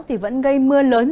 thì vẫn gây mưa lớn